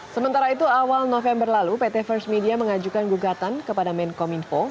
sementara itu awal november lalu pt first media mengajukan gugatan kepada menkominfo